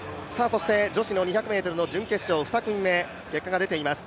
女子の２００ｍの準決勝２組目、結果が出ています。